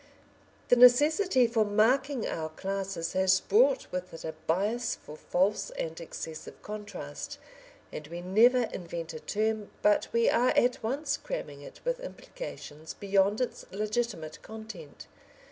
] The necessity for marking our classes has brought with it a bias for false and excessive contrast, and we never invent a term but we are at once cramming it with implications beyond its legitimate content.